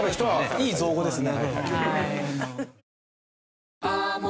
いい造語ですね。